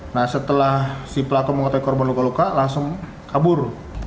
nah setelah si pelaku mengetahui korban luka luka langsung kabur